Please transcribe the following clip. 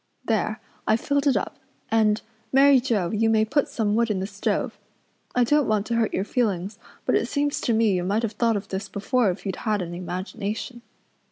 There, I've filled it up, and, Mary Joe, you may put some wood in the stove. I don't want to hurt your feelings but it seems to me you might have thought of this before if you'd any imagination.